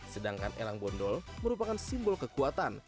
sedangkan elang bondol merupakan simbol kekuatan